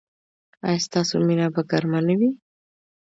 ایا ستاسو مینه به ګرمه نه وي؟